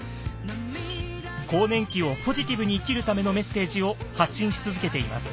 更年期をポジティブに生きるためのメッセージを発信し続けています。